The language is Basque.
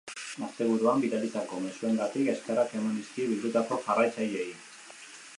Asteburuan, bidalitako mezuengatik eskerrak eman dizkie bildutako jarraitzaileei.